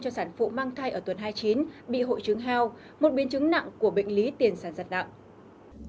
cho sản phụ mang thai ở tuần hai mươi chín bị hội chứng heo một biến chứng nặng của bệnh lý tiên sản rật nặng